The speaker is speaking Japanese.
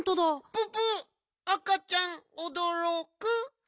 ププ赤ちゃんおどろく。